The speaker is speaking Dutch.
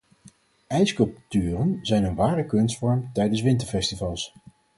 Ijssculpturen zijn een ware kunstvorm tijdens winterfestivals.